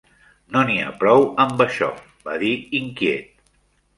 "No n'hi ha prou amb això", va dir inquiet.